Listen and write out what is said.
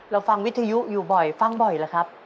เราฟังวิทยุอยู่บ่อยฟังบ่อยเหรอครับ